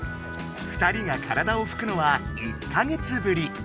２人が体をふくのは１か月ぶり。